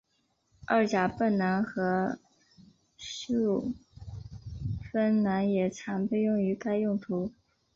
二甲苯蓝和溴酚蓝也常被用于该用途。